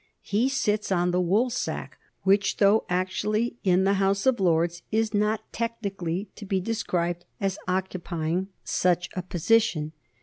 He sits on the woolsack, which, though actually in the House of Lords, is not technically to be described as occupying such a position.